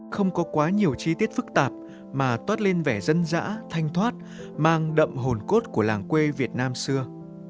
không có quá nhiều chi tiết phức tạp mà toát lên vẻ dân dã thanh thoát mang đậm hồn cốt của làng quê việt nam xưa